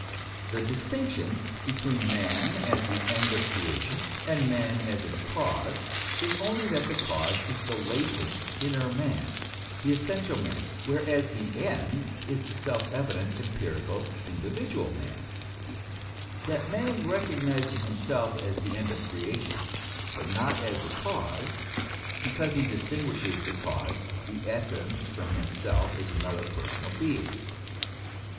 The distinction between man as the end of creation, and man as its cause, is only that the cause is the latent, inner man, the essential man, whereas the end is the self evident, empirical, individual man, that man recognises himself as the end of creation, but not as the cause, because he distinguishes the cause, the essence from himself as another personal being.